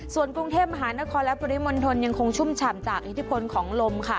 ส่วนกรุงเทพมหานครและปริมณฑลยังคงชุ่มฉ่ำจากอิทธิพลของลมค่ะ